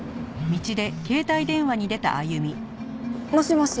もしもし？